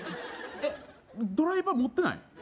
えっドライバー持ってない？